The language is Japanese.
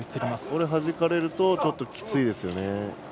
これはじかれるとちょっときついですよね。